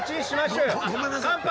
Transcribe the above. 乾杯！